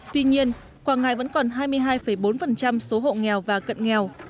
tuy nhiên quảng ngãi vẫn còn hai mươi hai bốn số hộ nghèo và cận nghèo